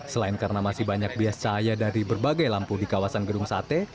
selain karena masih banyak bias cahaya dari berbagai lampu di kawasan gedung sate